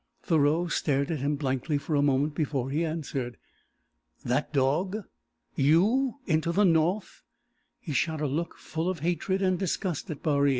Thoreau stared at him blankly for a moment before he answered. "That dog? You? Into the North?" He shot a look full of hatred and disgust at Baree.